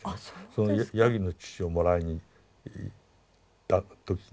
そのヤギの乳をもらいに行った時にですね